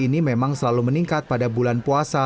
ini memang selalu meningkat pada bulan puasa